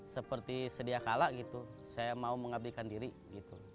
seperti sedia kala gitu saya mau mengabdikan diri gitu